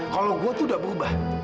kalau saya sudah berubah